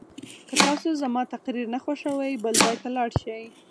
که تاسو زما تقریر نه خوښوئ بل ځای ته لاړ شئ.